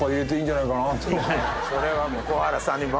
それはもう。